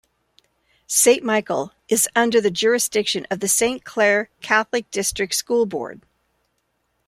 Saint Michael is under the jurisdiction of the Saint Clair Catholic District School Board.